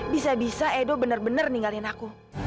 bisa bisa edo bener bener ninggalin aku